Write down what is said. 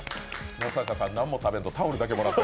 松坂さん、なんも食べんとタオルだけもらって。